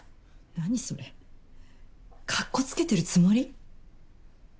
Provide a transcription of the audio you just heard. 何それカッコつけてるつもり？